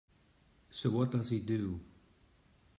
So what does he do?